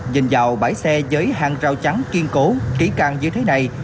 nhìn vào bãi xe với hàng rào trắng kiên cố kỹ càng như thế này